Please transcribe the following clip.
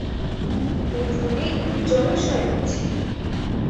উঠোনে একটি জলাশয় আছে।